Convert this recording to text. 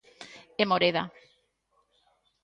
E Moreda.